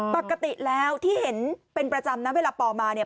ปกติแล้วที่เห็นเป็นประจำนะเวลาปอมาเนี่ย